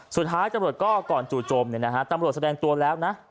สุดท้ายตำรวจก็ก่อนจู่โจมตำรวจแสดงตัวแล้วนะ